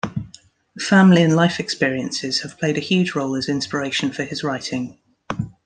Family and life experiences have played a huge role as inspiration for his writing.